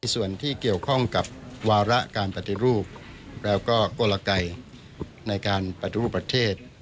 ส่วนที่เกี่ยวข้องกับวาระการปฏิรูปแล้วก็กลไกในการปฏิรูปประเทศ